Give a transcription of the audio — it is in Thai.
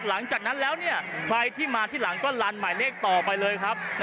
หลังจากนั้นแล้วใครที่มาที่หลังก็ลันหมายเลขต่อไปเลยครับ